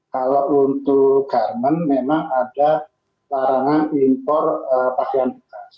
kalau untuk garmen memang ada larangan impor pakaian bekas